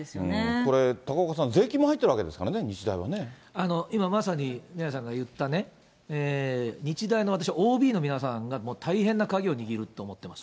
これ、高岡さん、税金も入っているわけですからね、今まさに、宮根さんが言ったね、日大の私、ＯＢの皆さんが大変な鍵を握ってると思います。